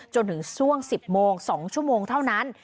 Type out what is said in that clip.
จนถึงช่วง๑๐โมง๒ชั่วโมงเท่านั้น